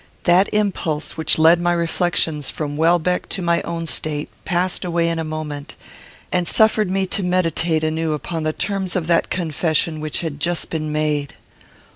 That impulse which led my reflections from Welbeck to my own state passed away in a moment, and suffered me to meditate anew upon the terms of that confession which had just been made.